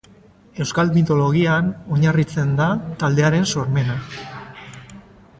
Euskal mitologian oinarritzen da taldearen sormena.